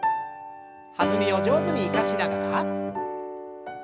弾みを上手に生かしながら。